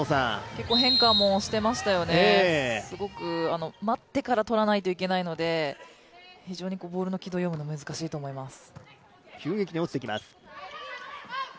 結構変化もしてましたよね、すごく待ってからとらないといけないので非常にボールの軌道を読むのが難しいと思います。